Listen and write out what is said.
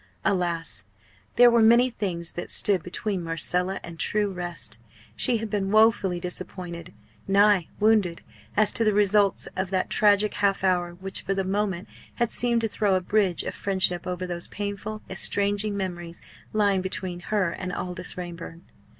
Alas! there were many things that stood between Marcella and true rest. She had been woefully disappointed, nay wounded, as to the results of that tragic half hour which for the moment had seemed to throw a bridge of friendship over those painful, estranging memories lying between her and Aldous Raeburn.